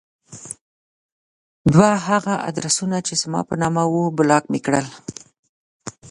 دوه هغه ادرسونه چې زما په نامه وو بلاک مې کړل.